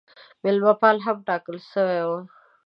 مېلمه پال هم ټاکل سوی وو.